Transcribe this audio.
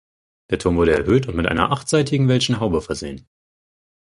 Der Turm wurde erhöht und mit einer achtseitigen Welschen Haube versehen.